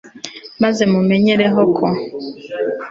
maze mumenyereho ko